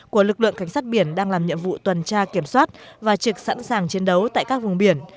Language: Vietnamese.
của lực lượng cảnh sát biển đang làm nhiệm vụ tuần tra kiểm soát và trực sẵn sàng chiến đấu tại các vùng biển